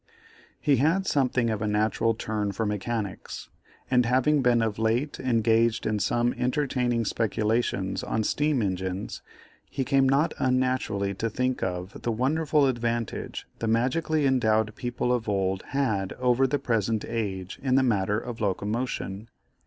He had something of a natural turn for mechanics, and having been of late engaged in some entertaining speculations on steam engines, he came not unnaturally to think of the wonderful advantage the magically endowed people of old had over the present age in the matter of locomotion.